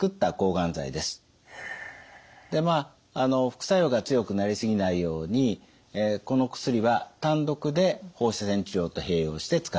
副作用が強くなりすぎないようにこの薬は単独で放射線治療と併用して使っています。